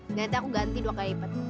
nanti aku ganti dua kali lipat